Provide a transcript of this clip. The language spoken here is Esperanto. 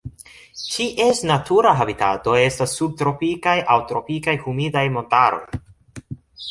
Ties natura habitato estas subtropikaj aŭ tropikaj humidaj montaroj.